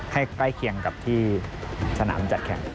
ใกล้เคียงกับที่สนามจัดแข่ง